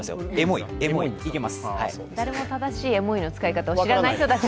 誰も正しいエモいの使い方が分からない。